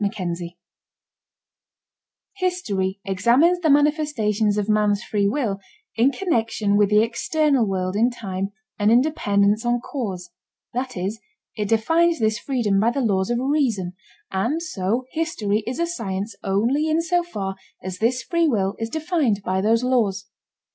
CHAPTER XI History examines the manifestations of man's free will in connection with the external world in time and in dependence on cause, that is, it defines this freedom by the laws of reason, and so history is a science only in so far as this free will is defined by those laws.